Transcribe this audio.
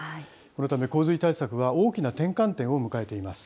このため、洪水対策は大きな転換点を迎えています。